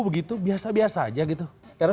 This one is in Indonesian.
begitu biasa biasa aja gitu karena